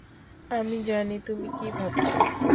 আমি জানি তুমি কী ভাবছো।